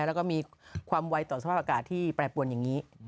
แล้วก็มีความไวต่อสภาพอากาศที่แปรปวนอย่างนี้